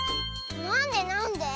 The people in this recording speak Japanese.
なんでなんで？